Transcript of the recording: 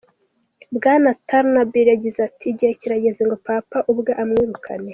Bwana Turnbull yagize ati: "Igihe kirageze ngo Papa ubwe amwirukane.